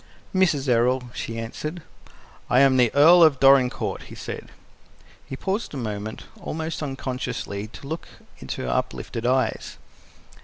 "Mrs. Errol," she answered. "I am the Earl of Dorincourt," he said. He paused a moment, almost unconsciously, to look into her uplifted eyes.